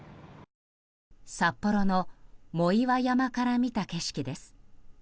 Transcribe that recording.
札幌の、もいわ山から見た景色です。